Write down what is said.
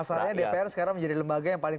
dasarnya dpr sekarang menjadi lembaga yang paling